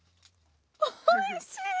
おいしい！